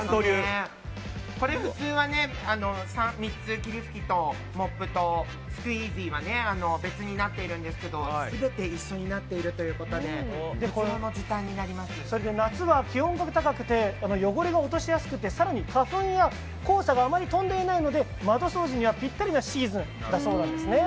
これ普通は３つ、霧吹きとモップとスクイージーは別になってるんですけど全て一緒になっているということで夏は気温が高くて汚れが落としやすくて更に花粉や黄砂があまり飛んでいないので窓掃除にはぴったりなシーズンだそうですよ。